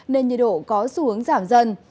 nên nhiệt độ có xu hướng giảm dần